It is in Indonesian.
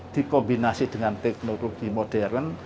dikombinasi dengan teknologi modern